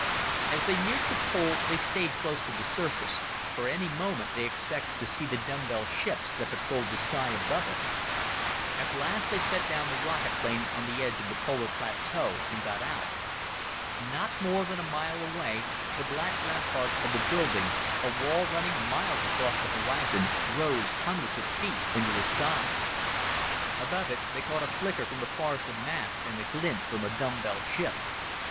As they neared the pole, they stayed close to the surface, for, any moment, they expected to see the dumbbell ships that patrolled the sky above it. At last they set down the rocket plane on the edge of the polar plateau and got out. Not more than a mile away, the black ramparts of the building a wall running miles across the horizon rose hundreds of feet into the sky. Above it, they caught a flicker from the forest of masts and the glint from a dumbbell ship.